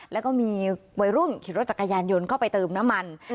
แล้วก็มีวัยรุ่นขี่รถจักรยานยนต์เข้าไปเติมน้ำมัน